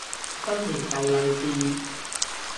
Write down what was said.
新年逗利是